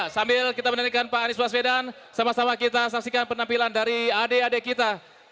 sambil kita menaikan pak anis mas vedan sama sama kita saksikan penampilan dari adik adik kita